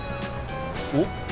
おっ？